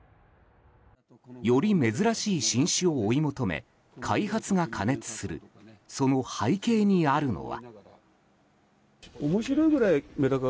より珍しい新種を追い求め開発が過熱するその背景にあるのは。